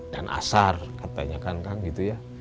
dan asar katanya kang gitu ya